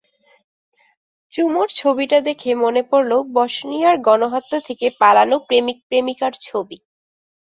চুমুর ছবিটা দেখে মনে পড়ল বসনিয়ার গণহত্যা থেকে পালানো প্রেমিক প্রেমিকার ছবি।